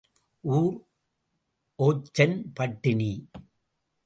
ஊர் ஓச்சன் பட்டினி.